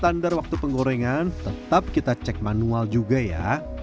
standar waktu penggorengan tetap kita cek manual juga ya